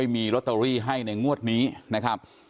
มีลอตเตอรี่ให้ในงวดนี้นะครับ